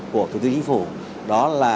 của thủ tướng chính phủ đó là